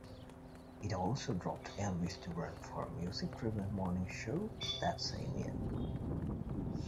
It also dropped Elvis Duran for a music-driven morning show that same year.